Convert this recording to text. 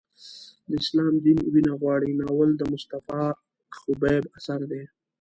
د اسلام دین وینه غواړي ناول د مصطفی خبیب اثر دی.